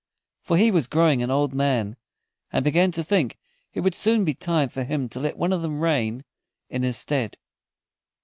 For he was growing an old man, and began to think it would soon be time for him to let one of them reign in his stead.